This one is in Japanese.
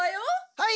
はい！